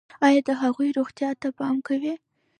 ایا د هغوی روغتیا ته پام کوئ؟